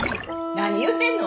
何言うてんの！